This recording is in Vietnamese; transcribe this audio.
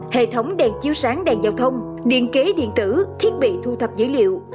hệ thống đèn chiếu sáng đèn giao thông điện kế điện tử thiết bị thu thập dữ liệu